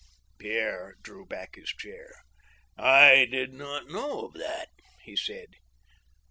Pierre drew back his chair. " I did not know of that," he said.